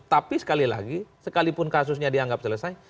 tapi sekali lagi sekalipun kasusnya dianggap selesai